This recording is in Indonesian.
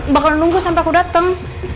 bakal nunggu sampe aku dateng